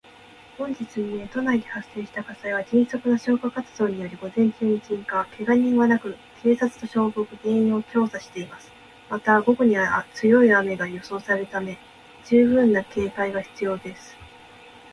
本日未明、都内で発生した火災は、迅速な消火活動により午前中に鎮火。けが人はなく、警察と消防が原因を調査しています。また、午後には強い雨が予想されるため、十分な警戒が必要です。